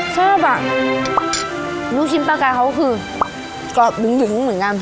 ชอบอ่ะลูกชิ้นปลากายเขาคือกรอบหยุงเหมือนกัน